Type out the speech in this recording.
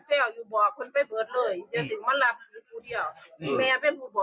จะอยู่บองคนนั้นไม่เบิดเลยจะสิ่งมันล้ำ